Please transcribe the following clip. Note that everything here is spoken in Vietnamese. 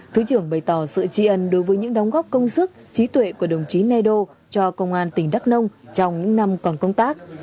thứ trưởng bày tỏ sự trị ẩn đối với những đóng góp công sức trí tuệ của đồng chí nai đô cho công an tỉnh đắk nông trong những năm còn công tác